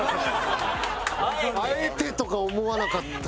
「あえて」とか思わなかったな。